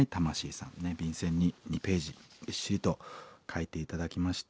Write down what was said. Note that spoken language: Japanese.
便箋に２ページびっしりと書いて頂きまして。